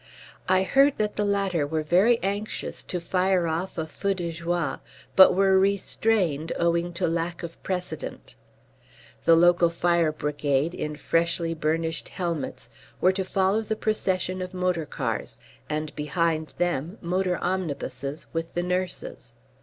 I heard that the latter were very anxious to fire off a feu de joie, but were restrained owing to lack of precedent. The local fire brigade in freshly burnished helmets were to follow the procession of motor cars, and behind them motor omnibuses with the nurses.